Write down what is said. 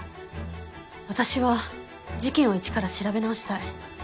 私は事件を一から調べ直したい。